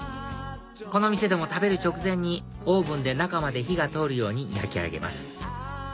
この店でも食べる直前にオーブンで中まで火が通るように焼き上げます